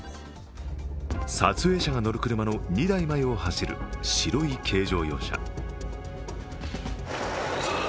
撮影者が乗る車の２台前を走る白い軽乗用車。